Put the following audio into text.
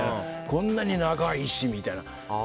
こんなに長いしみたいな。